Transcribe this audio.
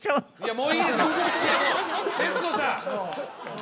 もういいですいや